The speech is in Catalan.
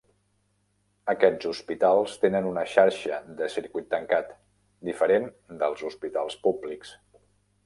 Aquests hospitals tenen una xarxa de circuit tancat, diferent dels hospitals públics.